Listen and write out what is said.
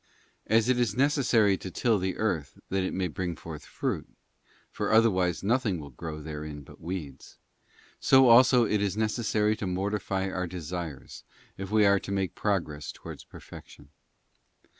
As it is necessary to till the earth that it may bring forth fruit—for otherwise nothing will grow therein but weeds—so also is it necessary to mortify our desires, if we are to make progress towards perfection.